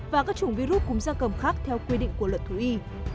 và các chủng virus cúm gia cầm khác theo quy định của luật thủ y